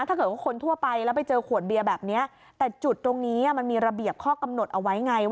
ถ้าเกิดว่าคนทั่วไปแล้วไปเจอขวดเบียร์แบบนี้แต่จุดตรงนี้มันมีระเบียบข้อกำหนดเอาไว้ไงว่า